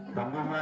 kampunga anung di